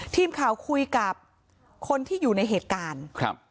ทีมข่าวคุยกับคนที่อยู่ในเหตุการณ์ครับ